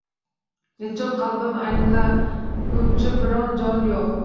Nechun qalbim anglaguvchi biron jon yoʼq